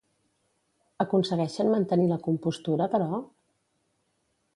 Aconsegueixen mantenir la compostura, però?